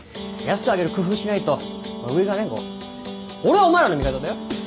安く上げる工夫しないとまあ上がねこう俺はお前らの味方だよ。